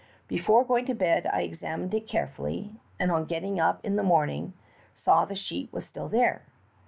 Before going to bed I examined it earefullj^ and on getting up in the morning saw the sheet was still there.